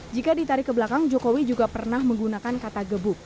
jika ditarik ke belakang jokowi juga pernah menggunakan kata gebuk